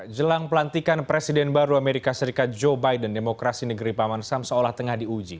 jelang pelantikan presiden baru amerika serikat joe biden demokrasi negeri paman sam seolah tengah diuji